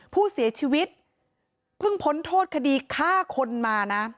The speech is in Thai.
ผู้เสียชีวิตเพิ่งพ้นโทษคดีฆ่าคนมานะ